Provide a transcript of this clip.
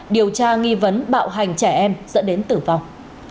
điều tra nghi vấn bạo hành trẻ em dẫn đến tử vong